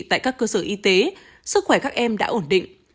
tại các cơ sở y tế sức khỏe các em đã ổn định